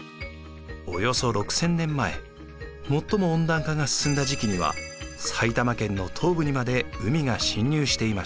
およそ６，０００年前最も温暖化が進んだ時期には埼玉県の東部にまで海が侵入していました。